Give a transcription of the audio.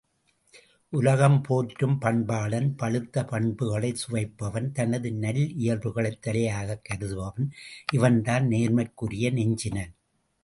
உலகம் போற்றும் பண்பாளன் பழுத்த பண்புகளைச் சுவைப்பவன் தனது நல்லியல்புகளைத் தலையாகக் கருதுபவன் இவன்தான் நேர்மைக்குரிய நெஞ்சினன்.